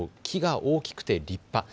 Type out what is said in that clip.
木が大きくて立派。